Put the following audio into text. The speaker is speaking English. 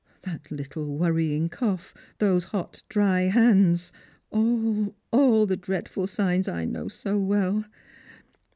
That little worrying cough, those hot dry hands — all, all the dreadful signs I know so well.